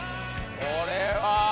これは。